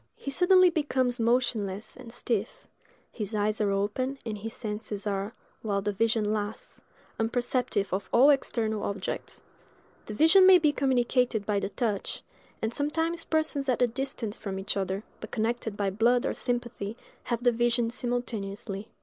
He suddenly becomes motionless and stiff: his eyes are open, and his senses are, while the vision lasts, unperceptive of all external objects; the vision may be communicated by the touch, and sometimes persons at a distance from each other, but connected by blood or sympathy, have the vision simultaneously.